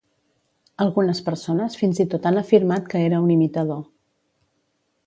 Algunes persones fins i tot han afirmat que era un imitador.